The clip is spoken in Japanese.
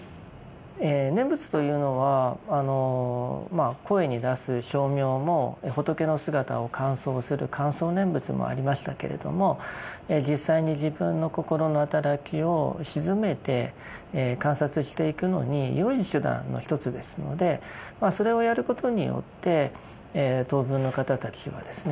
念仏というのは声に出す唱名も仏の姿を観相する観想念仏もありましたけれども実際に自分の心の働きを静めて観察していくのによい手段の一つですのでそれをやることによって「等分」の方たちはですね